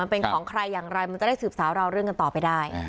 เป็นของใครอย่างไรมันจะได้สืบสาวราวเรื่องกันต่อไปได้